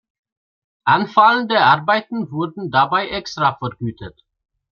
Anfallende Arbeiten wurden dabei extra vergütet.